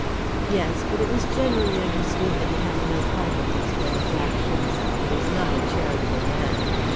"Yes; but it was generally understood that he had no part in these benefactions. He was not a charitable man."